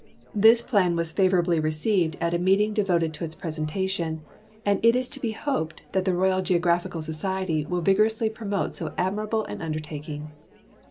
This plan was favorably received at a meeting devoted to its ]>resentation, and it is to be hoped that the Royal Geographical Society will vigorously promote so admirable an undertaking.